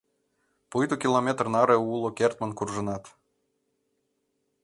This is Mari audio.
Пуйто километр наре уло кертмын куржынат.